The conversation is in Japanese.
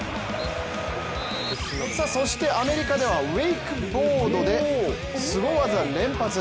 そしてアメリカではウェイクボードですご技連発！